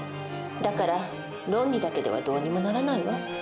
だから論理だけではどうにもならないわ。